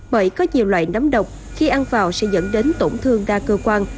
bởi có nhiều loại nấm độc khi ăn vào sẽ dẫn đến tổn thương đa cơ quan